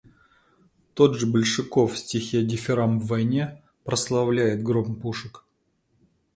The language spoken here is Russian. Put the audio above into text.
Тот же Большаков в стихе «Дифирамб войне» прославляет гром пушек.